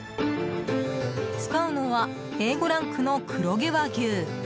使うのはＡ５ランクの黒毛和牛。